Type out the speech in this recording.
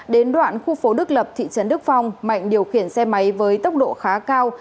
đến đoạn khu phố đức lập thị trấn đức phong mạnh điều khiển xe máy với tốc độ khá cao